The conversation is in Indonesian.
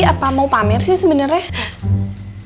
apa mau pamer sih sebenarnya